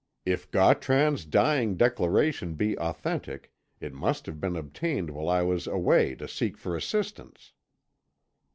If Gautran's dying declaration be authentic, it must have been obtained while I was away to seek for assistance."